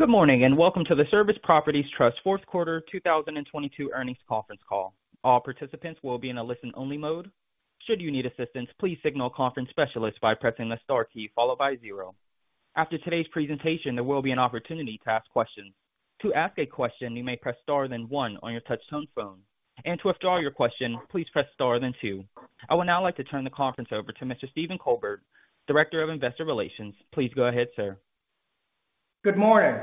Good morning, welcome to the Service Properties Trust Fourth Quarter 2022 Earnings Conference Call. All participants will be in a listen only mode. Should you need assistance, please signal a conference specialist by pressing the star key followed by zero. After today's presentation, there will be an opportunity to ask questions. To ask a question, you may press star then one on your touchtone phone. To withdraw your question, please press star then two. I would now like to turn the conference over to Mr. Stephen Colbert, Director of Investor Relations. Please go ahead, sir. Good morning.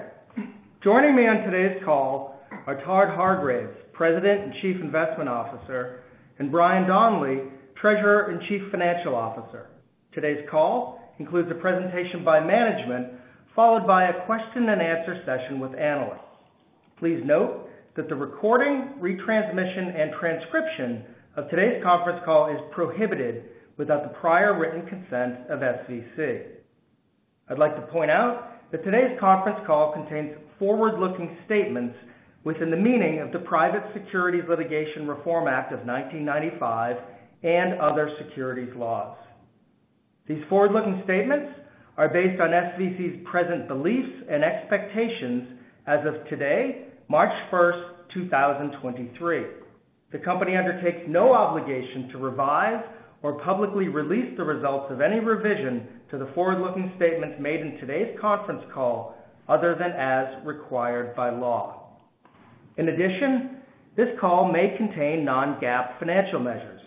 Joining me on today's call are Todd Hargreaves, President and Chief Investment Officer, and Brian Donley, Treasurer and Chief Financial Officer. Today's call includes a presentation by management, followed by a question and answer session with analysts. Please note that the recording, retransmission, and transcription of today's conference call is prohibited without the prior written consent of SVC. I'd like to point out that today's conference call contains forward-looking statements within the meaning of the Private Securities Litigation Reform Act of 1995 and other securities laws. These forward-looking statements are based on SVC's present beliefs and expectations as of today, March 1st, 2023. The company undertakes no obligation to revise or publicly release the results of any revision to the forward-looking statements made in today's conference call, other than as required by law. In addition, this call may contain non-GAAP financial measures,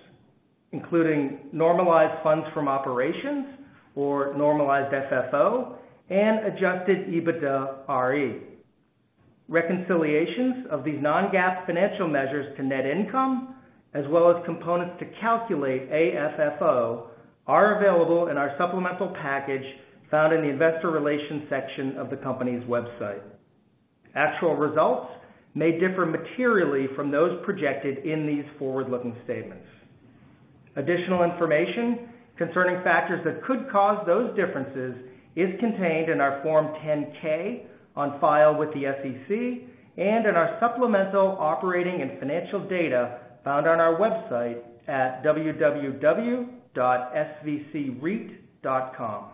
including normalized funds from operations or Normalized FFO and adjusted EBITDAre. Reconciliations of these non-GAAP financial measures to net income, as well as components to calculate AFFO, are available in our supplemental package found in the investor relations section of the company's website. Actual results may differ materially from those projected in these forward-looking statements. Additional information concerning factors that could cause those differences is contained in our Form 10-K on file with the SEC and in our supplemental operating and financial data found on our website at www.svcreit.com.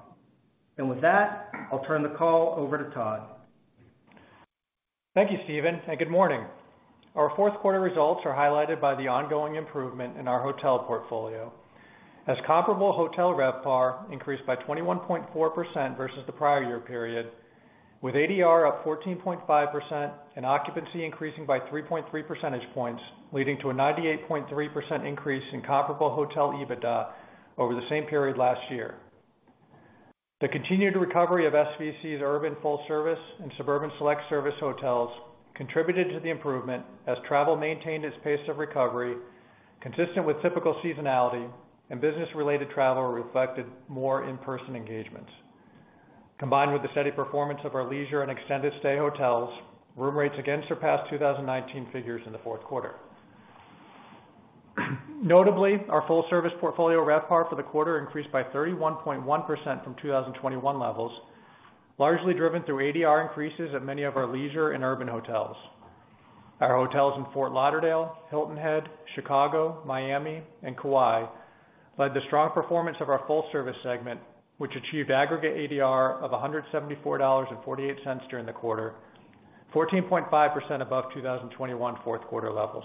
With that, I'll turn the call over to Todd. Thank you, Stephen, and good morning. Our fourth quarter results are highlighted by the ongoing improvement in our hotel portfolio as comparable hotel RevPAR increased by 21.4% versus the prior year period, with ADR up 14.5% and occupancy increasing by 3.3 percentage points, leading to a 98.3% increase in comparable hotel EBITDA over the same period last year. The continued recovery of SVC's urban full service and suburban select service hotels contributed to the improvement as travel maintained its pace of recovery consistent with typical seasonality and business-related travel reflected more in-person engagements. Combined with the steady performance of our leisure and extended stay hotels, room rates again surpassed 2019 figures in the fourth quarter. Notably, our full service portfolio RevPAR for the quarter increased by 31.1% from 2021 levels, largely driven through ADR increases at many of our leisure and urban hotels. Our hotels in Fort Lauderdale, Hilton Head, Chicago, Miami, and Kauai led the strong performance of our full service segment, which achieved aggregate ADR of $174.48 during the quarter, 14.5 above 2021 fourth quarter levels.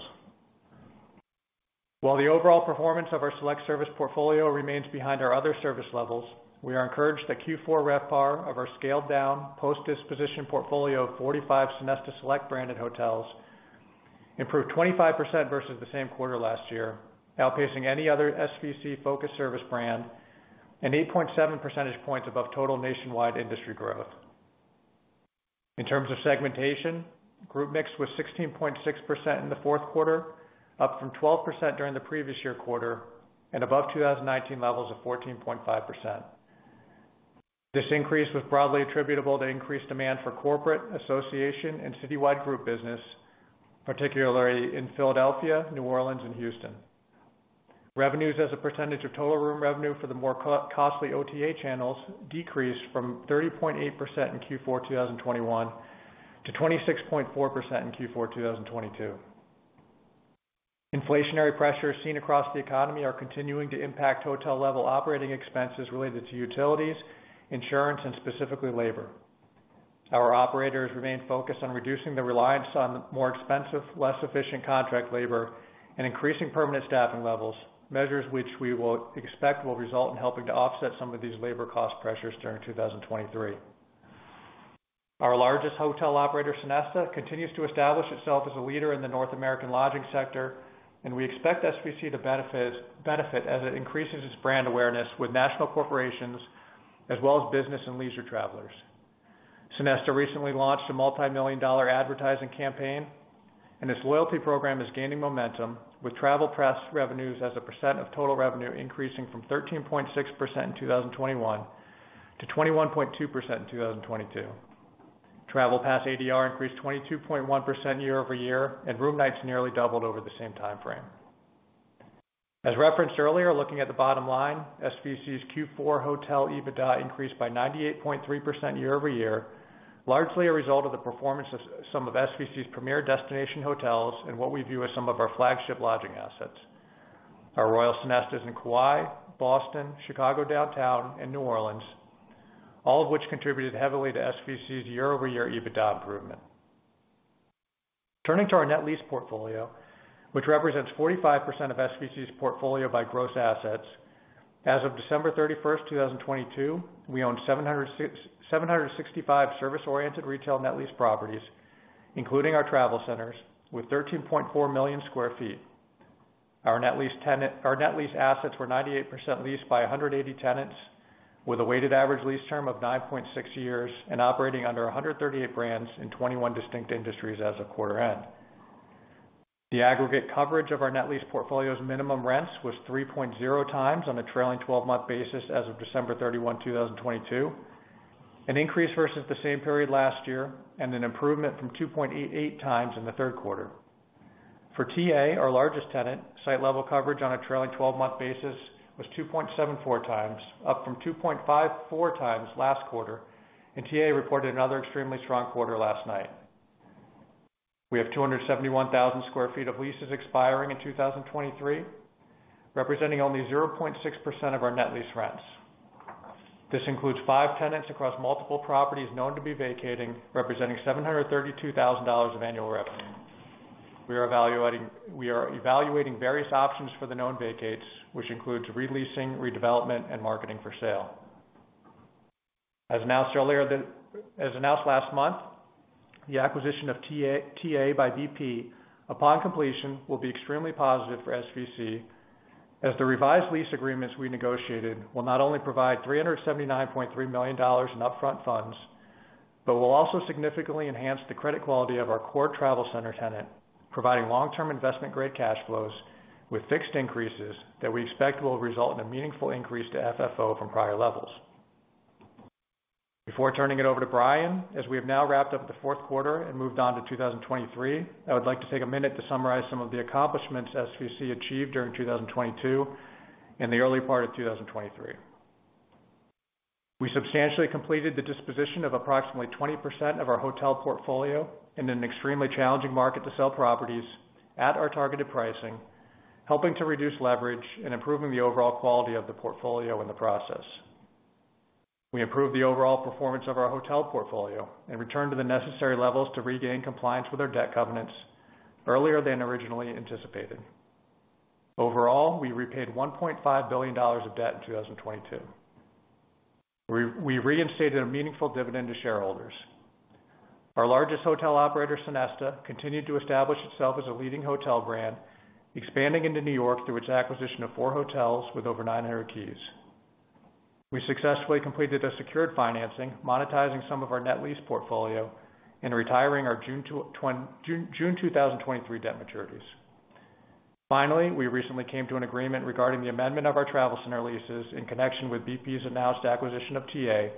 While the overall performance of our select service portfolio remains behind our other service levels, we are encouraged that Q4 RevPAR of our scaled down post-disposition portfolio of 45 Sonesta Select branded hotels improved 25% versus the same quarter last year, outpacing any other SVC focused service brand and 8.7 percentage points above total nationwide industry growth. In terms of segmentation, group mix was 16.6% in the fourth quarter, up from 12% during the previous year quarter and above 2019 levels of 14.5%. This increase was broadly attributable to increased demand for corporate, association, and citywide group business, particularly in Philadelphia, New Orleans, and Houston. Revenues as a percentage of total room revenue for the more costly OTA channels decreased from 30.8% in Q4 2021 to 26.4% in Q4 2022. Inflationary pressures seen across the economy are continuing to impact hotel level operating expenses related to utilities, insurance, and specifically labor. Our operators remain focused on reducing the reliance on more expensive, less efficient contract labor and increasing permanent staffing levels, measures which we expect will result in helping to offset some of these labor cost pressures during 2023. Our largest hotel operator, Sonesta, continues to establish itself as a leader in the North American lodging sector, and we expect SVC to benefit as it increases its brand awareness with national corporations as well as business and leisure travelers. Sonesta recently launched a multimillion-dollar advertising campaign, and its loyalty program is gaining momentum with Travel Pass revenues as a percent of total revenue increasing from 13.6% in 2021 to 21.2% in 2022. Travel Pass ADR increased 22.1% year-over-year, and room nights nearly doubled over the same time frame. As referenced earlier, looking at the bottom line, SVC's Q4 hotel EBITDA increased by 98.3% year-over-year, largely a result of the performance of some of SVC's premier destination hotels and what we view as some of our flagship lodging assets. Our Royal Sonestas in Kauai, Boston, Chicago Downtown, and New Orleans, all of which contributed heavily to SVC's year-over-year EBITDA improvement. Turning to our net lease portfolio, which represents 45% of SVC's portfolio by gross assets. As of December 31st, 2022, we owned 765 service-oriented retail net lease properties, including our TravelCenters with 13.4 million sq ft. Our net lease assets were 98% leased by 180 tenants with a weighted average lease term of 9.6 years and operating under 138 brands in 21 distinct industries as of quarter end. The aggregate coverage of our net lease portfolio's minimum rents was 3.0 times on a trailing 12 month basis as of December 31, 2022. An increase versus the same period last year, and an improvement from 2.88 times in the third quarter. For TA, our largest tenant, site level coverage on a trailing 12 month basis was 2.74 times, up from 2.54 times last quarter, and TA reported another extremely strong quarter last night. We have 271,000 sq ft of leases expiring in 2023, representing only 0.6% of our net lease rents. This includes five tenants across multiple properties known to be vacating, representing $732,000 of annual revenue. We are evaluating various options for the known vacates, which includes re-leasing, redevelopment, and marketing for sale. As announced last month, the acquisition of TA by BP, upon completion, will be extremely positive for SVC as the revised lease agreements we negotiated will not only provide $379.3 million in upfront funds, but will also significantly enhance the credit quality of our core travel center tenant, providing long-term investment-grade cash flows with fixed increases that we expect will result in a meaningful increase to FFO from prior levels. Before turning it over to Brian, as we have now wrapped up the fourth quarter and moved on to 2023, I would like to take a minute to summarize some of the accomplishments SVC achieved during 2022 and the early part of 2023. We substantially completed the disposition of approximately 20% of our hotel portfolio in an extremely challenging market to sell properties at our targeted pricing, helping to reduce leverage and improving the overall quality of the portfolio in the process. We improved the overall performance of our hotel portfolio and returned to the necessary levels to regain compliance with our debt covenants earlier than originally anticipated. Overall, we repaid $1.5 billion of debt in 2022. We reinstated a meaningful dividend to shareholders. Our largest hotel operator, Sonesta, continued to establish itself as a leading hotel brand, expanding into New York through its acquisition of four hotels with over 900 keys. We successfully completed a secured financing, monetizing some of our net lease portfolio and retiring our June 2023 debt maturities. Finally, we recently came to an agreement regarding the amendment of our travel center leases in connection with BP's announced acquisition of TA,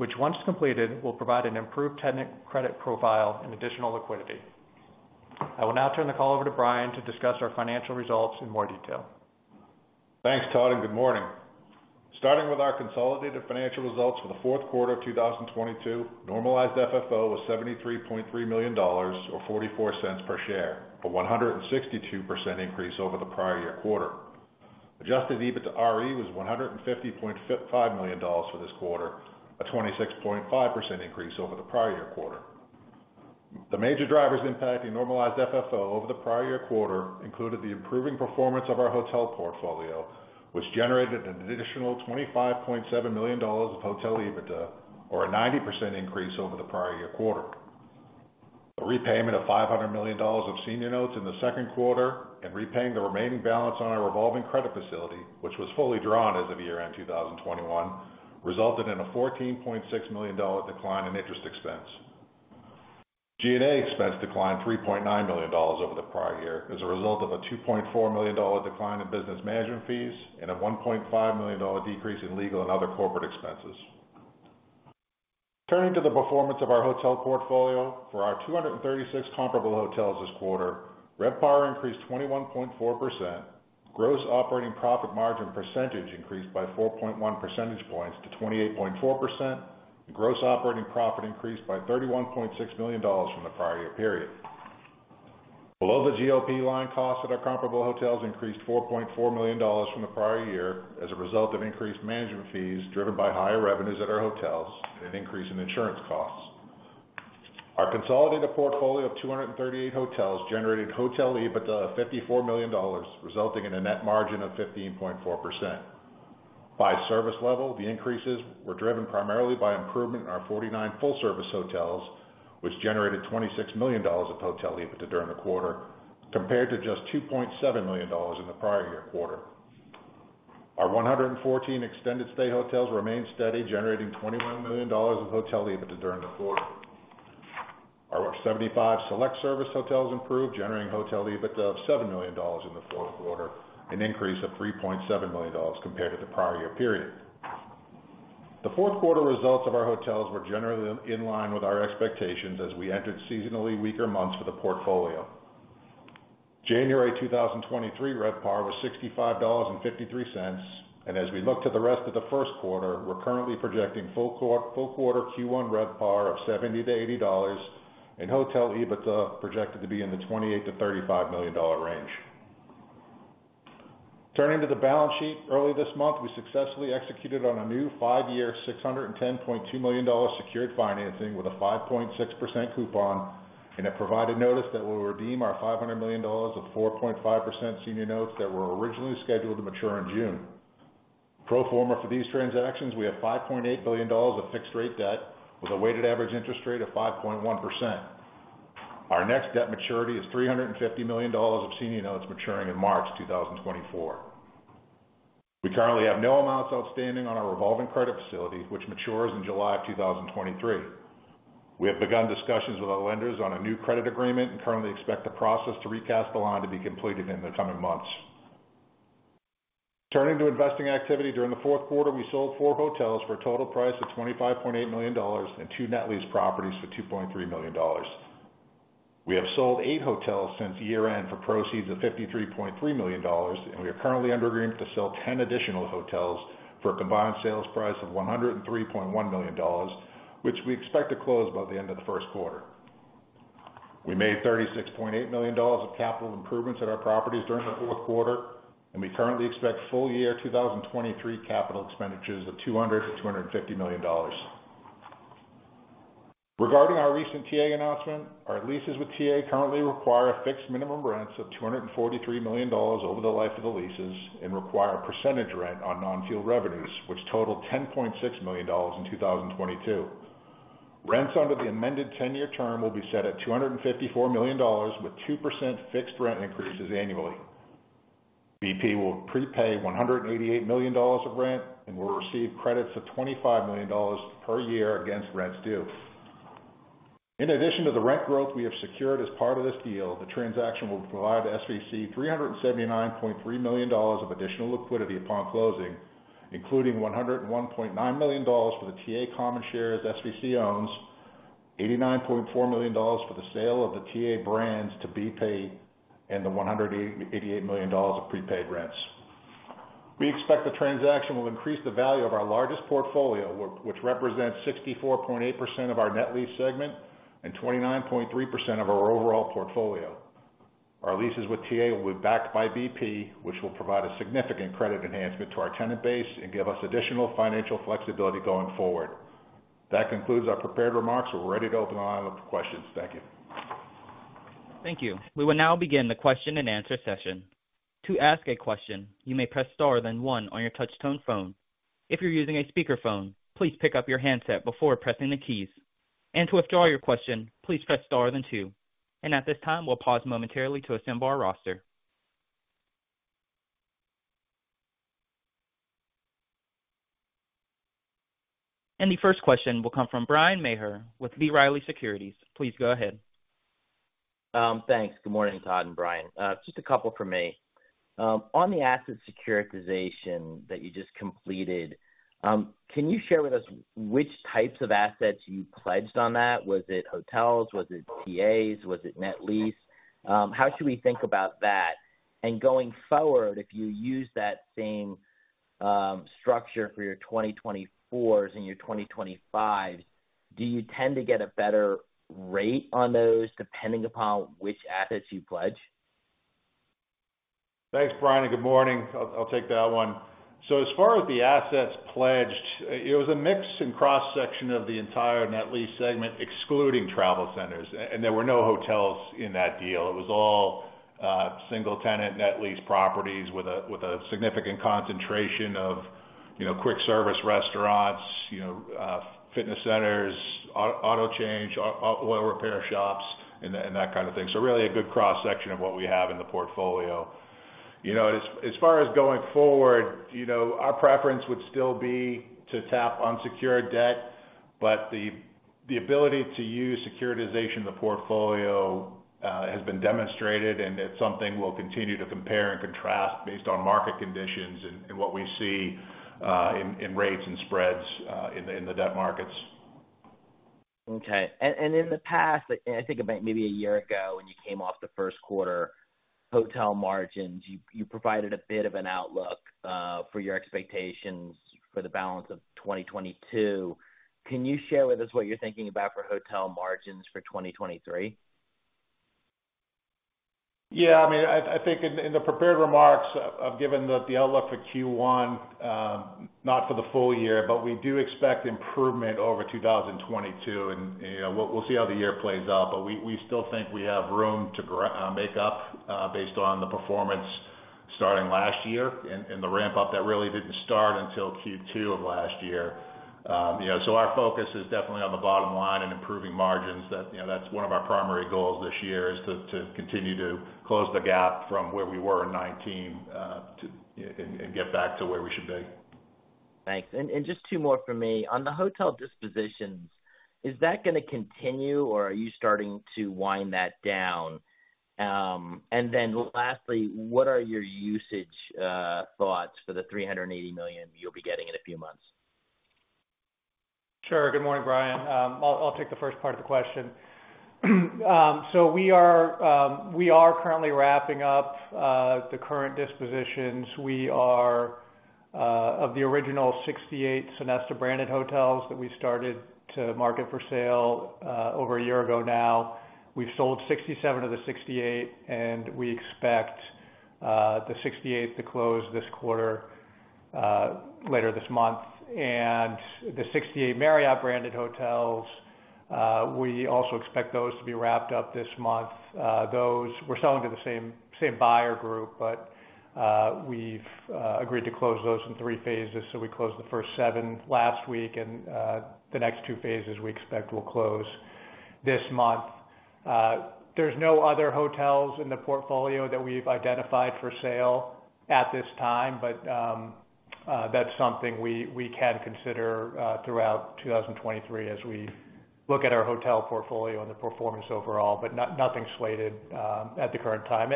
which once completed, will provide an improved tenant credit profile and additional liquidity. I will now turn the call over to Brian to discuss our financial results in more detail. Thanks, Todd. Good morning. Starting with our consolidated financial results for the fourth quarter of 2022, Normalized FFO was $73.3 million or $0.44 per share, a 162% increase over the prior-year quarter. Adjusted EBITDA was $150.5 million for this quarter, a 26.5% increase over the prior-year quarter. The major drivers impacting Normalized FFO over the prior-year quarter included the improving performance of our hotel portfolio, which generated an additional $25.7 million of hotel EBITDA, or a 90% increase over the prior-year quarter. The repayment of $500 million of senior notes in the second quarter and repaying the remaining balance on our revolving credit facility, which was fully drawn as of year-end 2021, resulted in a $14.6 million decline in interest expense. G&A expense declined $3.9 million over the prior year as a result of a $2.4 million decline in business management fees and a $1.5 million decrease in legal and other corporate expenses. Turning to the performance of our hotel portfolio for our 236 comparable hotels this quarter, RevPAR increased 21.4%. Gross operating profit margin percentage increased by 4.1 percentage points to 28.4%. Gross operating profit increased by $31.6 million from the prior year period. Below the GOP line, costs at our comparable hotels increased $4.4 million from the prior year as a result of increased management fees driven by higher revenues at our hotels and an increase in insurance costs. Our consolidated portfolio of 238 hotels generated hotel EBITDA of $54 million, resulting in a net margin of 15.4%. By service level, the increases were driven primarily by improvement in our 49 full service hotels, which generated $26 million of hotel EBITDA during the quarter, compared to just $2.7 million in the prior year quarter. Our 114 extended stay hotels remained steady, generating $21 million of hotel EBITDA during the quarter. Our 75 select service hotels improved, generating hotel EBITDA of $7 million in the fourth quarter, an increase of $3.7 million compared to the prior year period. The fourth quarter results of our hotels were generally in line with our expectations as we entered seasonally weaker months for the portfolio. January 2023 RevPAR was $65.53. As we look to the rest of the first quarter, we're currently projecting full quarter Q1 RevPAR of $70-$80. Hotel EBITDA projected to be in the $28 million-$35 million range. Turning to the balance sheet, early this month, we successfully executed on a new five year $610.2 million secured financing with a 5.6% coupon and have provided notice that we'll redeem our $500 million of 4.5% senior notes that were originally scheduled to mature in June. Pro forma for these transactions, we have $5.8 billion of fixed-rate debt with a weighted average interest rate of 5.1%. Our next debt maturity is $350 million of senior notes maturing in March 2024. We currently have no amounts outstanding on our revolving credit facility, which matures in July 2023. We have begun discussions with our lenders on a new credit agreement and currently expect the process to recast the line to be completed in the coming months. Turning to investing activity, during the fourth quarter, we sold four hotels for a total price of $25.8 million and two net lease properties for $2.3 million. We have sold eight hotels since year-end for proceeds of $53.3 million, and we are currently under agreement to sell 10 additional hotels for a combined sales price of $103.1 million, which we expect to close by the end of the first quarter. We made $36.8 million of capital improvements at our properties during the fourth quarter, and we currently expect full year 2023 capital expenditures of $200 million-$250 million. Regarding our recent TA announcement, our leases with TA currently require fixed minimum rents of $243 million over the life of the leases and require a percentage rent on non-fuel revenues, which totaled $10.6 million in 2022. Rents under the amended 10-year term will be set at $254 million with 2% fixed rent increases annually. BP will prepay $188 million of rent and will receive credits of $25 million per year against rents due. In addition to the rent growth we have secured as part of this deal, the transaction will provide SVC $379.3 million of additional liquidity upon closing, including $101.9 million for the TA common shares SVC owns, $89.4 million for the sale of the TA brands to be paid, and the $188 million of prepaid rents. We expect the transaction will increase the value of our largest portfolio, which represents 64.8% of our net lease segment and 29.3% of our overall portfolio. Our leases with TA will be backed by BP, which will provide a significant credit enhancement to our tenant base and give us additional financial flexibility going forward. That concludes our prepared remarks. We're ready to open the line up for questions. Thank you. Thank you. We will now begin the question-and-answer session. To ask a question, you may press star then one on your touch tone phone. If you're using a speakerphone, please pick up your handset before pressing the keys. To withdraw your question, please press star then two. At this time, we'll pause momentarily to assemble our roster. The first question will come from Bryan Maher with B. Riley Securities. Please go ahead. Thanks. Good morning, Todd and Brian. Just a couple from me. On the asset securitization that you just completed, can you share with us which types of assets you pledged on that? Was it hotels? Was it TAs? Was it net lease? How should we think about that? Going forward, if you use that same structure for your 2024 and your 2025, do you tend to get a better rate on those depending upon which assets you pledge? Thanks, Bryan. Good morning. I'll take that one. As far as the assets pledged, it was a mix and cross-section of the entire net lease segment, excluding travel centers, and there were no hotels in that deal. It was all single tenant net lease properties with a significant concentration of, you know, quick service restaurants, you know, fitness centers, auto change, oil repair shops, and that kind of thing. Really a good cross-section of what we have in the portfolio. You know, as far as going forward, you know, our preference would still be to tap unsecured debt, but the ability to use securitization of the portfolio has been demonstrated, and it's something we'll continue to compare and contrast based on market conditions and what we see in rates and spreads in the debt markets. Okay. In the past, I think about maybe a year ago, when you came off the first quarter hotel margins, you provided a bit of an outlook for your expectations for the balance of 2022. Can you share with us what you're thinking about for hotel margins for 2023? I mean, I think in the prepared remarks, I've given the outlook for Q1, not for the full year, but we do expect improvement over 2022. You know, we'll see how the year plays out. We still think we have room to make up based on the performance starting last year and the ramp up that really didn't start until Q2 of last year. You know, our focus is definitely on the bottom line and improving margins. You know, that's one of our primary goals this year is to continue to close the gap from where we were in 2019, to, you know, and get back to where we should be. Thanks. Just two more for me. On the hotel dispositions, is that going to continue, or are you starting to wind that down? Lastly, what are your usage thoughts for the $380 million you'll be getting in a few months? Sure. Good morning, Bryan. I'll take the first part of the question. We are currently wrapping up the current dispositions. We are Of the original 68 Sonesta branded hotels that we started to market for sale, over a year ago now, we've sold 67 of the 68, and we expect the 68th to close this quarter later this month. The 68 Marriott branded hotels, we also expect those to be wrapped up this month. Those we're selling to the same buyer group, but we've agreed to close those in three phases. We closed the first seven last week and the next two phases we expect will close this month. There's no other hotels in the portfolio that we've identified for sale at this time, but that's something we can consider throughout 2023 as we look at our hotel portfolio and the performance overall. Nothing slated at the current time.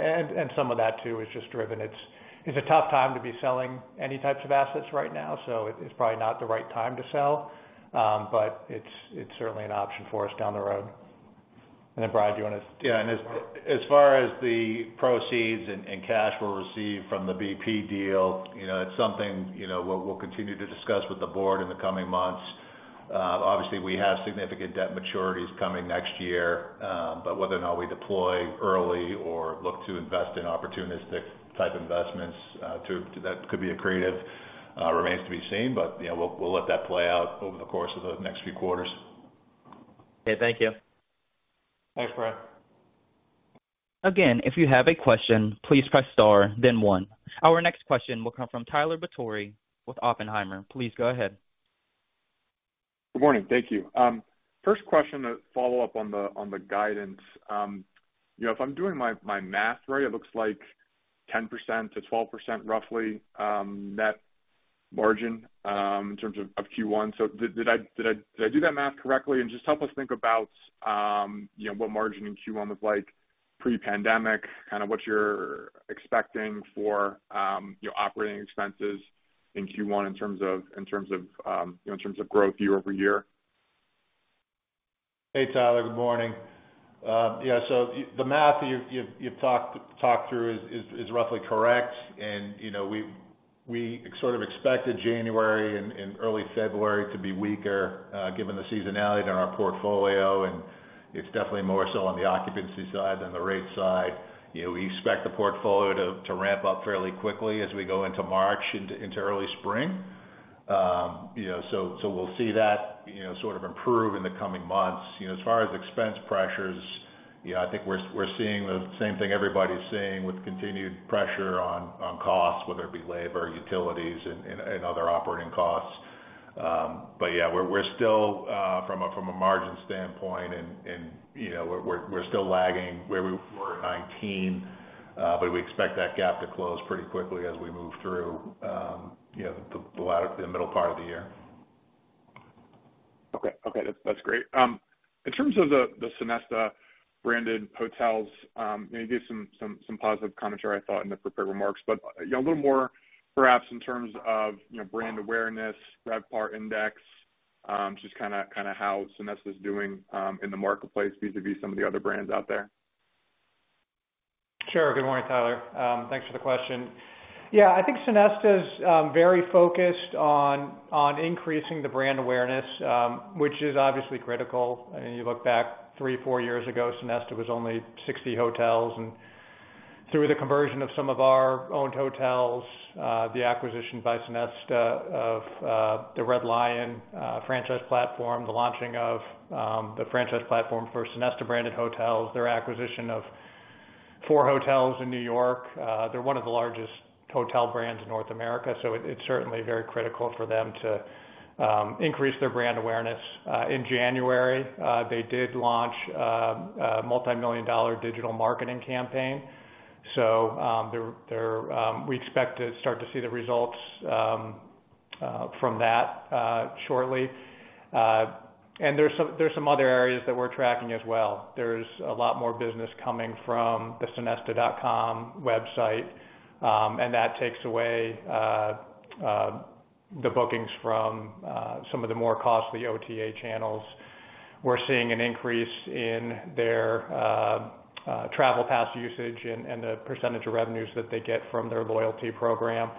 some of that too is just driven. It's a tough time to be selling any types of assets right now, so it's probably not the right time to sell. but it's certainly an option for us down the road. Brian, do you wanna- Yeah. As far as the proceeds and cash we'll receive from the BP deal, you know, it's something, you know, we'll continue to discuss with the board in the coming months. Obviously we have significant debt maturities coming next year, whether or not we deploy early or look to invest in opportunistic type investments, that could be accretive, remains to be seen. You know, we'll let that play out over the course of the next few quarters. Okay. Thank you. Thanks, Brian. Again, if you have a question, please press star then one. Our next question will come from Tyler Batory with Oppenheimer. Please go ahead. Good morning. Thank you. First question to follow up on the guidance. You know, if I'm doing my math right, it looks like 10%-12% roughly, net margin, in terms of Q1. Did I do that math correctly? Just help us think about, you know, what margin in Q1 looked like pre-pandemic, kind of what you're expecting for, your operating expenses in Q1 in terms of growth year-over-year. Hey, Tyler. Good morning. yeah, so the math that you've talked through is roughly correct. You know, we sort of expected January and early February to be weaker, given the seasonality in our portfolio, and it's definitely more so on the occupancy side than the rate side. You know, we expect the portfolio to ramp up fairly quickly as we go into March into early spring. You know, we'll see that, you know, sort of improve in the coming months. You know, as far as expense pressures, you know, I think we're seeing the same thing everybody's seeing with continued pressure on costs, whether it be labor, utilities, and other operating costs. Yeah, we're still from a margin standpoint and, you know, we're still lagging where we were at 2019. We expect that gap to close pretty quickly as we move through, you know, the middle part of the year. Okay. That's great. In terms of the Sonesta branded hotels, you gave some positive commentary, I thought, in the prepared remarks. You know, a little more perhaps in terms of, you know, brand awareness, RevPAR index, just kinda how Sonesta's doing in the marketplace vis-a-vis some of the other brands out there. Sure. Good morning, Tyler Batory. Thanks for the question. Yeah. I think Sonesta's very focused on increasing the brand awareness, which is obviously critical. I mean, you look back three, four years ago, Sonesta was only 60 hotels. Through the conversion of some of our owned hotels, the acquisition by Sonesta of the Red Lion franchise platform, the launching of the franchise platform for Sonesta branded hotels, their acquisition of four hotels in New York, they're one of the largest hotel brands in North America, so it's certainly very critical for them to increase their brand awareness. In January, they did launch a multi-million-dollar digital marketing campaign. They're... We expect to start to see the results from that shortly. There's some other areas that we're tracking as well. There's a lot more business coming from the sonesta.com website, and that takes away the bookings from some of the more costly OTA channels. We're seeing an increase in their Sonesta Travel Pass usage and the percentage of revenues that they get from their loyalty program.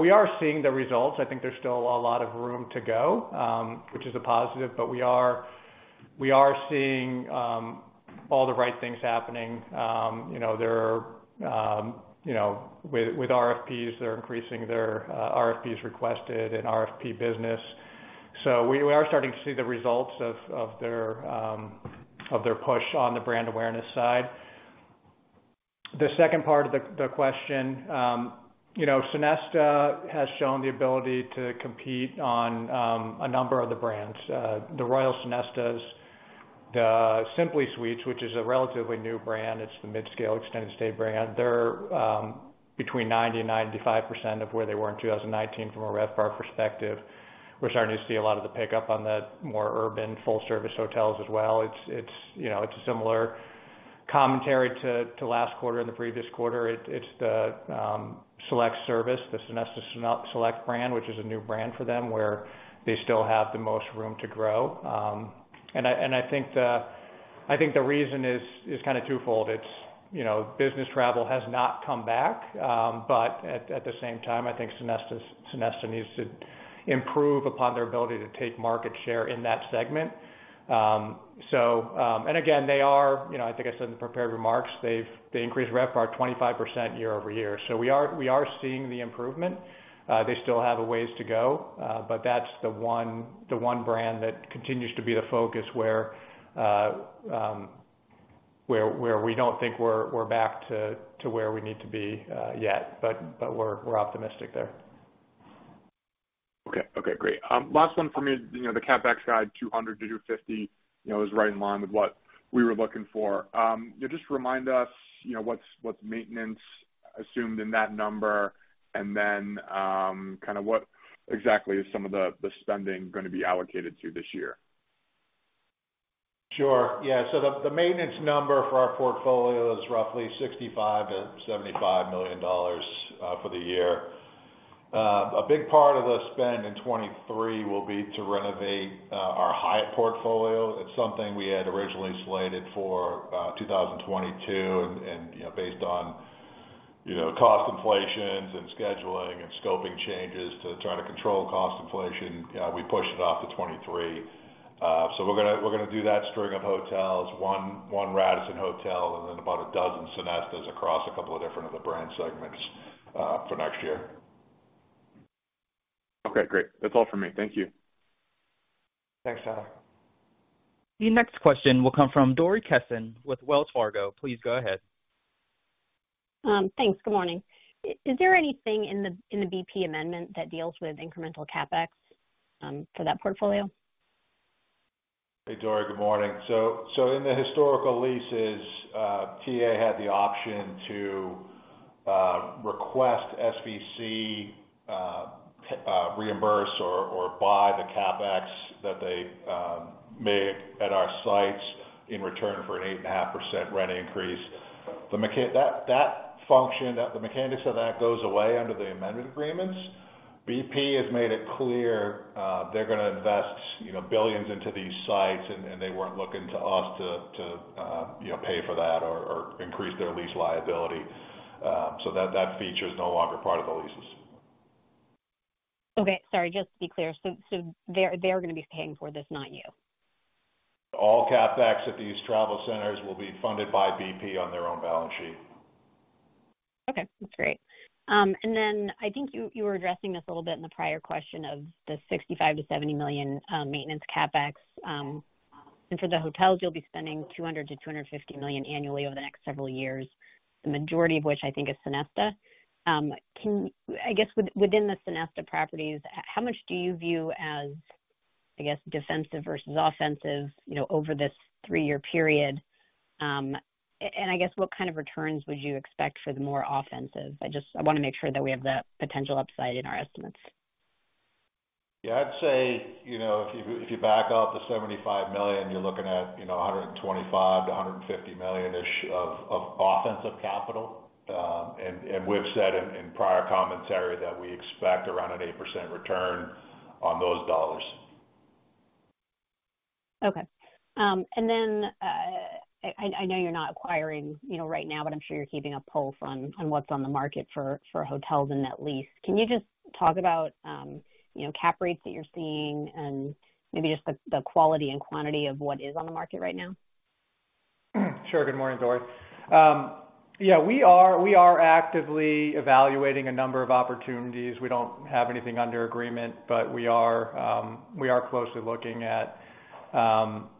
We are seeing the results. I think there's still a lot of room to go, which is a positive, but we are seeing all the right things happening. You know, there are, you know, with RFPs, they're increasing their RFPs requested and RFP business. We are starting to see the results of their push on the brand awareness side. The second part of the question, you know, Sonesta has shown the ability to compete on a number of the brands. The Royal Sonestas, the Sonesta Simply Suites, which is a relatively new brand, it's the midscale extended stay brand. They're between 90% and 95% of where they were in 2019 from a RevPAR perspective. We're starting to see a lot of the pickup on the more urban full service hotels as well. It's, you know, it's a similar commentary to last quarter and the previous quarter. It's the Select service, the Sonesta Select brand, which is a new brand for them, where they still have the most room to grow. I think the reason is kind of twofold. It's, you know, business travel has not come back. At the same time, I think Sonesta needs to improve upon their ability to take market share in that segment. Again, they are, you know, I think I said in the prepared remarks, they increased RevPAR 25% year-over-year. We are seeing the improvement. They still have a ways to go, but that's the one brand that continues to be the focus where we don't think we're back to where we need to be, yet. We're optimistic there. Okay. Okay, great. Last one for me. You know, the CapEx guide, $200-$250, you know, is right in line with what we were looking for. Yeah, just remind us, you know, what's maintenance assumed in that number, and then, kind of what exactly is some of the spending gonna be allocated to this year? Sure. Yeah. The, the maintenance number for our portfolio is roughly $65 million-$75 million for the year. A big part of the spend in 2023 will be to renovate our Hyatt portfolio. It's something we had originally slated for 2022 and, you know, based on, you know, cost inflations and scheduling and scoping changes to try to control cost inflation, we pushed it off to 2023. We're gonna, we're gonna do that string of hotels, 1 Radisson Hotel and then about a dozen Sonestas across a couple of different of the brand segments for next year. Okay, great. That's all for me. Thank you. Thanks, Tyler. The next question will come from Dori Kesten with Wells Fargo. Please go ahead. Thanks. Good morning. Is there anything in the BP amendment that deals with incremental CapEx for that portfolio? Hey, Dori, good morning. In the historical leases, TA had the option to request SVC reimburse or buy the CapEx that they make at our sites in return for an 8.5% rent increase. That function, the mechanics of that goes away under the amendment agreements. BP has made it clear, they're gonna invest, you know, $billions into these sites, and they weren't looking to us to, you know, pay for that or increase their lease liability. That feature is no longer part of the leases. Okay. Sorry, just to be clear. They're gonna be paying for this, not you? All CapEx at these travel centers will be funded by BP on their own balance sheet. Okay, that's great. I think you were addressing this a little bit in the prior question of the $65 million-$70 million maintenance CapEx. For the hotels, you'll be spending $200 million-$250 million annually over the next several years, the majority of which I think is Sonesta. I guess within the Sonesta properties, how much do you view as, I guess, defensive versus offensive, you know, over this three year period? I guess, what kind of returns would you expect for the more offensive? I want to make sure that we have the potential upside in our estimates. Yeah, I'd say, you know, if you back out the $75 million, you're looking at, you know, $125 million-$150 million-ish of offensive capital. We've said in prior commentary that we expect around an 8% return on those dollars. Okay. I know you're not acquiring, you know, right now, but I'm sure you're keeping a poll on what's on the market for hotels and net lease. Can you just talk about, you know, cap rates that you're seeing and maybe just the quality and quantity of what is on the market right now? Sure. Good morning, Dori. Yeah, we are actively evaluating a number of opportunities. We don't have anything under agreement, but we are closely looking at selective assets.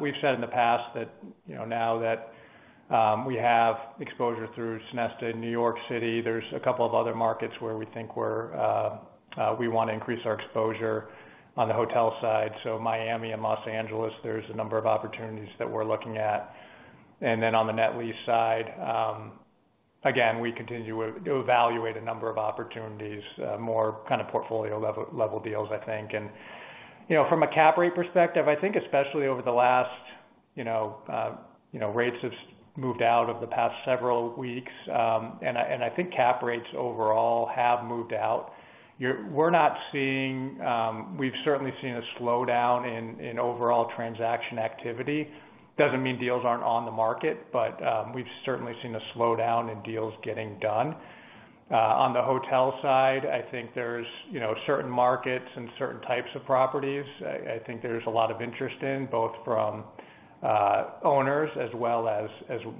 We've said in the past that, you know, now that we have exposure through Sonesta in New York City, there's a couple of other markets where we think we wanna increase our exposure on the hotel side. Miami and Los Angeles, there's a number of opportunities that we're looking at. On the net lease side, again, we continue to evaluate a number of opportunities, more kind of portfolio level deals, I think. You know, from a cap rate perspective, I think especially over the last, you know, rates have moved out over the past several weeks, and I think cap rates overall have moved out. We're not seeing. We've certainly seen a slowdown in overall transaction activity. Doesn't mean deals aren't on the market, but we've certainly seen a slowdown in deals getting done. On the hotel side, I think there's, you know, certain markets and certain types of properties. I think there's a lot of interest in both from owners as well as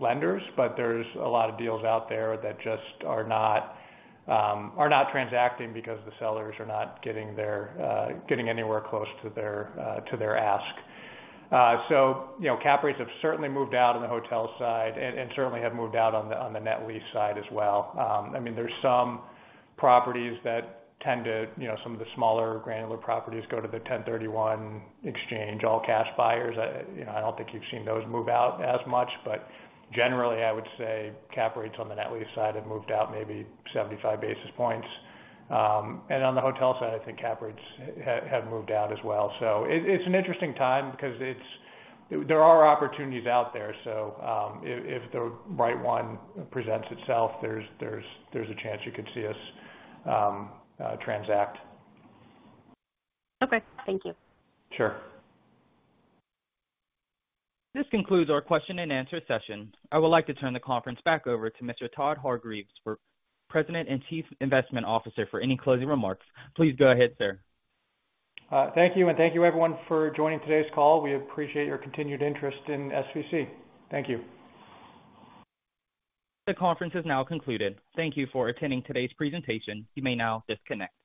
lenders. There's a lot of deals out there that just are not transacting because the sellers are not getting their getting anywhere close to their to their ask. You know, cap rates have certainly moved out on the hotel side and certainly have moved out on the net lease side as well. I mean, there's some properties that tend to, you know, some of the smaller granular properties go to the 1031 exchange, all-cash buyers. You know, I don't think you've seen those move out as much. Generally, I would say cap rates on the net lease side have moved out maybe 75 basis points. And on the hotel side, I think cap rates have moved out as well. It's an interesting time because there are opportunities out there. If the right one presents itself, there's a chance you could see us transact. Okay. Thank you. Sure. This concludes our question and answer session. I would like to turn the conference back over to Mr. Todd Hargreaves, for President and Chief Investment Officer for any closing remarks. Please go ahead, sir. Thank you, and thank you everyone for joining today's call. We appreciate your continued interest in SVC. Thank you. The conference has now concluded. Thank you for attending today's presentation. You may now disconnect.